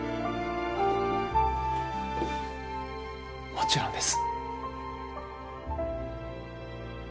もちろんです。